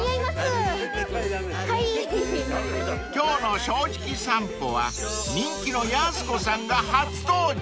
［今日の『正直さんぽ』は人気のやす子さんが初登場］